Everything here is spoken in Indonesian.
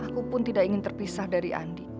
aku pun tidak ingin terpisah dari andi